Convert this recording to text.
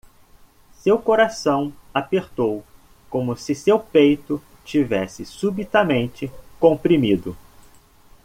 Seu coração apertou? como se seu peito tivesse subitamente comprimido.